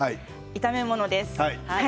炒め物です。